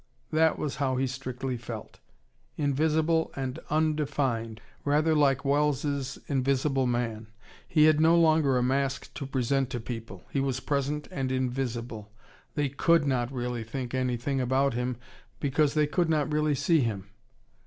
That was how he strictly felt: invisible and undefined, rather like Wells' Invisible Man. He had no longer a mask to present to people: he was present and invisible: they could not really think anything about him, because they could not really see him.